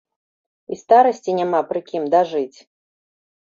І старасці няма пры кім дажыць!